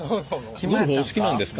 ゴルフお好きなんですか？